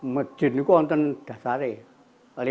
masjid ini kan sudah seharian